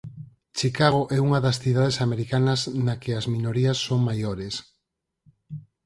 Chicago é unha das cidades americanas na que as minorías son maiores.